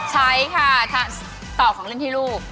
ใช้ค่ะตอบของเล่นให้ลูก